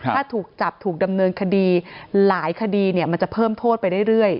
ถ้าถูกจับถูกดำเนินคดีหลายคดีมันจะเพิ่มโทษไปเรื่อย